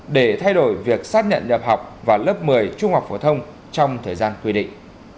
để thay đổi việc xác nhận nhập học vào lớp một mươi trung học phổ thông trong thời gian quy định